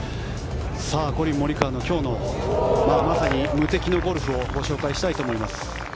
コリン・モリカワの今日のまさに無敵のゴルフをご紹介したいと思います。